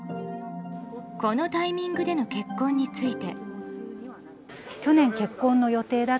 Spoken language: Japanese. このタイミングでの結婚について。